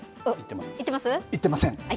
行ってません。